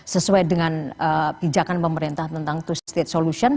sesuai dengan pijakan pemerintah tentang two state solution